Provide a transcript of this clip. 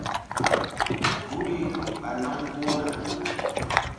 Guri ɓa nam mbu̧h na.